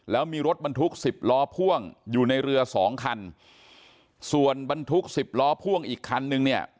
แล้วมีรถบรรทุกสิบล้อพ่วงอยู่ในเรือสองคันส่วนบรรทุกสิบล้อพ่วงอีกคันนึงเนี่ย